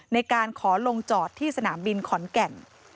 ในการขอลงจอดที่สนามบินขอนแก่น